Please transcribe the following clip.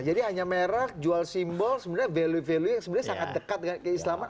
jadi hanya merek jual simbol sebenarnya value value yang sangat dekat dengan keislaman